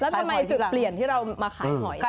แล้วทำไมจุดเปลี่ยนที่เรามาขายหอย